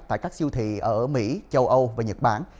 tại các siêu thị ở mỹ châu âu và nhật bản